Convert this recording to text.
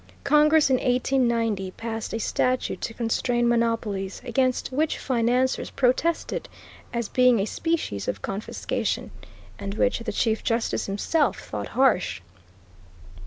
Congress, in 1890, passed a statute to constrain monopolies, against which financiers protested as being a species of confiscation, and which the Chief Justice himself thought harsh.